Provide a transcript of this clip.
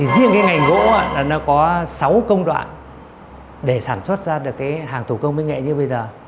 riêng cái ngành gỗ là nó có sáu công đoạn để sản xuất ra hàng thủ công bình nghệ như bây giờ